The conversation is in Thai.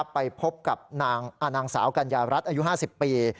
ไปพบกับนางสาวกัญญารัฐอายุ๕๐ปี